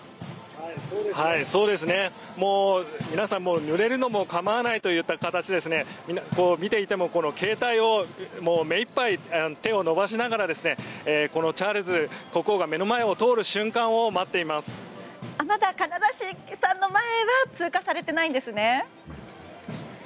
皆さん、ぬれるのも構わないといった形で見ていても携帯を目いっぱい手を伸ばしながらチャールズ国王が目の前を通る瞬間をまだ金指さんの前は通過されていないんですね。